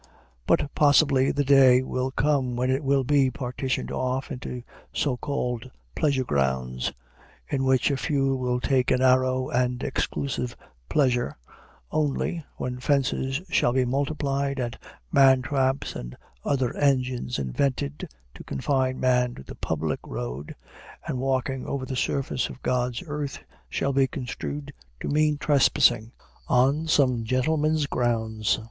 But possibly the day will come when it will be partitioned off into so called pleasure grounds, in which a few will take a narrow and exclusive pleasure only, when fences shall be multiplied, and man traps and other engines invented to confine men to the public road, and walking over the surface of God's earth shall be construed to mean trespassing on some gentleman's grounds.